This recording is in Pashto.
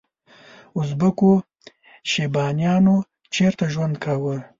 ازبکو شیبانیانو چیرته ژوند کاوه؟